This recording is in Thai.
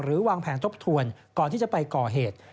วางแผนทบทวนก่อนที่จะไปก่อเหตุ